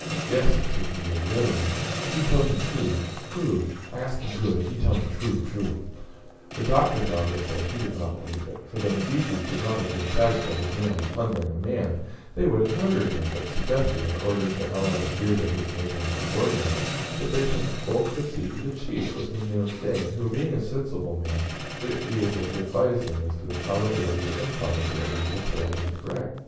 "Yes," answered Musa, readily; "he tell me true, true. I ask him good, and he tell me true, true." The Doctor, however, said he did not believe it, for the Mazitu would not have been satisfied with merely plundering a man, they would have murdered him; but suggested, in order to allay the fears of his Moslem subordinate, that they should both proceed to the chief with whom they were staying, who, being a sensible man, would be able to advise them as to the probability or improbability of the tale being correct.